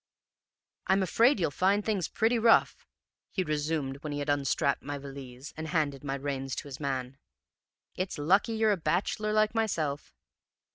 "'I'm afraid you'll find things pretty rough,' he resumed, when he had unstrapped my valise, and handed my reins to his man. 'It's lucky you're a bachelor like myself.'